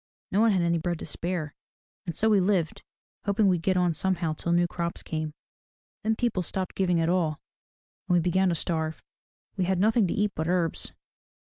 No one had any bread to spare. And so we lived, hoping we'd get on somehow till new crops came. Then people stopped giving at all and we began to starve. We had nothing to eat but herbs.